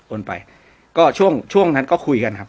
โอนไปก็ช่วงนั้นก็คุยกันครับ